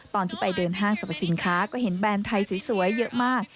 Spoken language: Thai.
ตอนที่ไปเดินห้างสรรพสินค้าก็เห็นแบรนด์ไทยสวยเยอะมาก